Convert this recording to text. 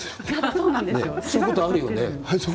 そういうことあるよね。